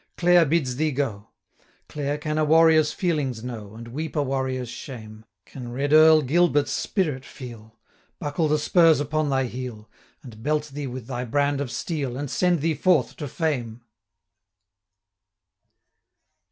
Clare bids thee go! Clare can a warrior's feelings know, 305 And weep a warrior's shame; Can Red Earl Gilbert's spirit feel, Buckle the spurs upon thy heel, And belt thee with thy brand of steel, And send thee forth to fame!'